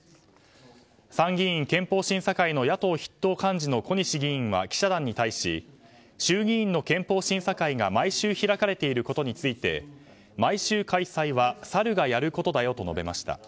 参議院憲法審査会の野党筆頭幹事の小西議員は記者団に対し衆議院の憲法審査会が毎週開かれていることについて毎週開催はサルがやることだよと述べました。